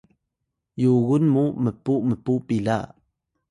yugun mu mpu mpu pila